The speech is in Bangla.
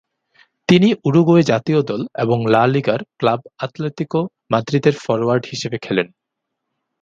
তিনি উরুগুয়ে জাতীয় দল এবং লা লিগার ক্লাব আতলেতিকো মাদ্রিদের ফরোয়ার্ড হিসেবে খেলেন।